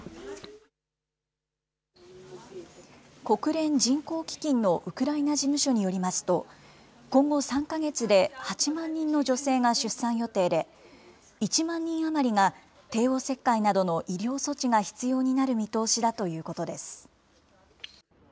国連人口基金のウクライナ事務所によりますと、今後３か月で、８万人の女性が出産予定で、１万人余りが、帝王切開などの医療措置が必要になる見通しだということです。